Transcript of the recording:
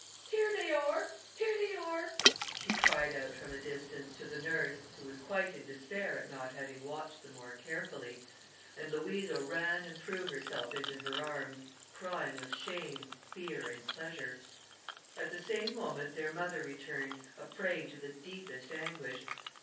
"Here they are! here they are!" she cried out from a distance, to the nurse, who was quite in despair at not having watched them more carefully; and Louisa ran and threw herself into her arms, crying with shame, fear, and pleasure. At the same moment their mother returned, a prey to the deepest anguish.